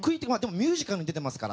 ミュージカルに出ていますから。